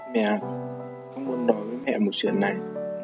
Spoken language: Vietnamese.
mẹ không muốn nói với mẹ một chuyện này